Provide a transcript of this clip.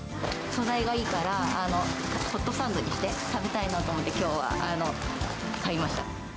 素材がいいから、ホットサンドにして食べたいなと思って、きょうは買いました。